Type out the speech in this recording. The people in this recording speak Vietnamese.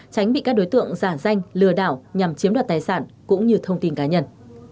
tránh bị các đối tượng giả danh lừa đảo nhằm chiếm đoạt tài sản cũng như thông tin cá nhân